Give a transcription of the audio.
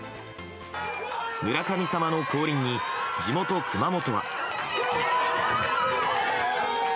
村神様の降臨に、地元・熊本は。